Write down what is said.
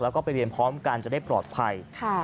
แล้วก็ไปเรียนพร้อมกันจะได้ปลอดภัย